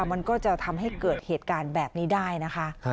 มันก็จะทำให้เกิดเหตุการณ์แบบนี้ได้นะคะ